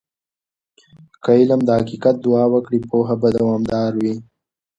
که علم د حقیقت دعا وکړي، پوهه به دوامدار وي.